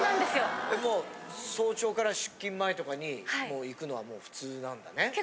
もう早朝から出勤前とかに行くのは普通なんだね？